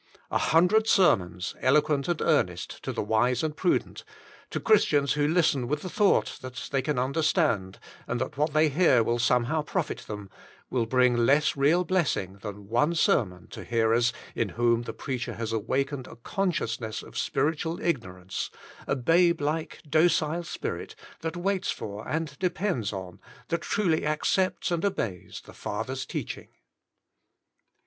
A hundred sermons, eloquent and earnest, to the wise and prudent, to Christians who listen with the thought that they can understand, and that what they hear will somehow profit them, will bring less real blessing, than one sermon to hearers in whom the preacher has awakened a conscious Revealed Unto Babes 79 ness of spiritual ignorance, a babe like docile spirit that waits for and depends on, that truly accepts and obeys, the Father's teaching.